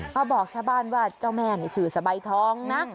บอกชาวบ้านว่าเจ้าแม่นี่ชื่อสบายทองนะ